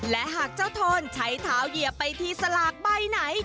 และหากเจ้าโทนใช้เท้าเหยียบไปที่สลากใบไหน